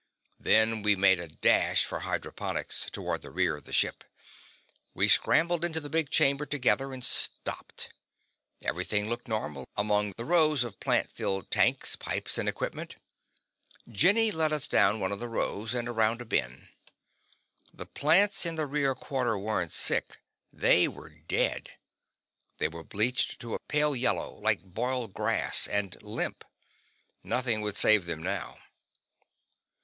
Then we made a dash for hydroponics, toward the rear of the ship. We scrambled into the big chamber together, and stopped. Everything looked normal among the rows of plant filled tanks, pipes and equipment. Jenny led us down one of the rows and around a bend. The plants in the rear quarter weren't sick they were dead. They were bleached to a pale yellow, like boiled grass, and limp. Nothing would save them now.